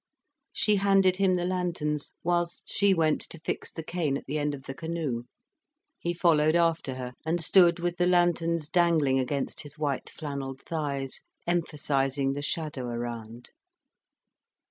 She handed him the lanterns, whilst she went to fix the cane at the end of the canoe. He followed after her, and stood with the lanterns dangling against his white flannelled thighs, emphasising the shadow around.